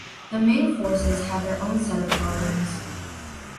The Ming forces had their own set of problems.